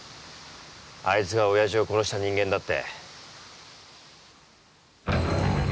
あいつがおやじを殺した人間だって。